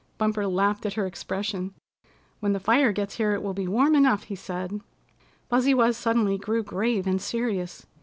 Bumper laughed at her expression. "When the fire gets here it will be warm enough," he said. Fuzzy Wuzz suddenly grew grave and serious.